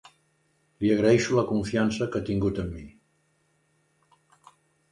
Li agraeixo la confiança que ha tingut amb mi.